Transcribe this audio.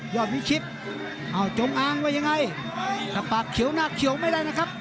วิชิตอ้าวจงอ้างว่ายังไงถ้าปากเขียวหน้าเขียวไม่ได้นะครับ